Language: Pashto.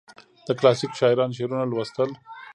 د کلاسیکو شاعرانو شعرونه لوستل.